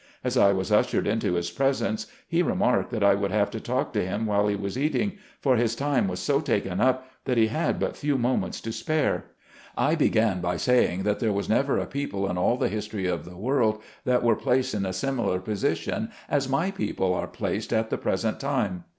As I was ushered into his presence, he remarked that I would have to talk to him while he was eating, for his time was so taken up that he had but few moments to spare. I began by saying, that there was never a people in all the history of the world, that were placed in a similar position as my people are placed at the pres ent time.